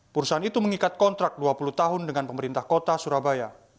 perusahaan itu mengikat kontrak dua puluh tahun dengan pemerintah kota surabaya